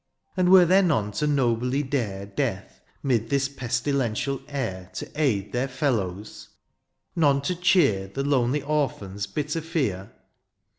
And were there none to nobly dare Death, ^mid this pestilential air, To aid their fellows ? none to cheer The lonely orphan's bitter fear